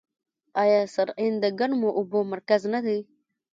آیا سرعین د ګرمو اوبو مرکز نه دی؟